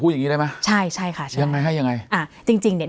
อย่างงี้ได้ไหมใช่ใช่ค่ะใช่ยังไงให้ยังไงอ่าจริงจริงเนี้ย